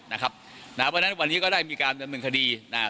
นะครับนะครับเพราะฉะนั้นวันนี้ก็ได้มีการดำเนินคดีนะฮะ